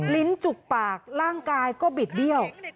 ลิ้นจุกปากร่างกายก็บิดเบี้ยว